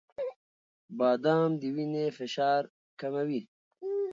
• بادام د وینې فشار کموي.